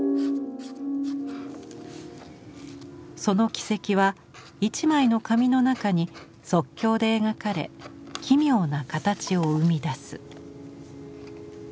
その軌跡は１枚の紙の中に即興で描かれ奇妙なカタチを生み出す。